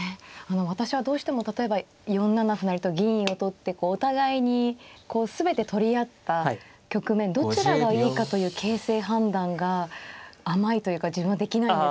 私はどうしても例えば４七歩成と銀を取ってお互いに全て取り合った局面どちらがいいかという形勢判断が甘いというか自分はできないんですけど。